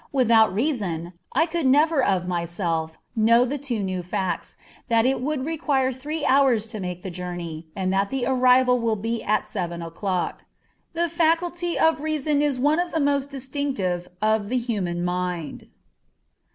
Without reason, I could never of myself, know the two new facts, that it would require three hours to make the journey, and that the arrival will be at seven o'clock. The faculty of reason is one of the most distinctive of the human mind.